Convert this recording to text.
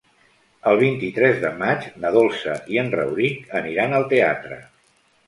El vint-i-tres de maig na Dolça i en Rauric aniran al teatre.